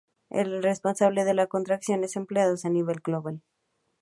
Es el responsable de las contrataciones de empleados a nivel global.